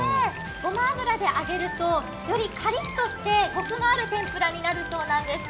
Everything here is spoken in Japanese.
ごま油で揚げると、よりカリッとしてコクのある天ぷらになるそうです。